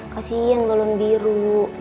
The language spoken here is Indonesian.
masih yang lolong biru